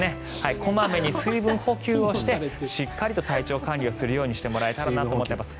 小まめに水分補給をしてしっかりと体調管理をするようにしてもらえたらなと思います。